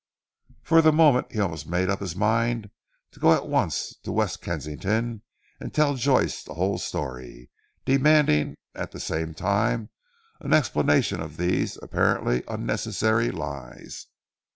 For the moment he almost made up his mind to go at once to West Kensington and tell Joyce the whole story, demanding at the same time an explanation of these apparently unnecessary lies.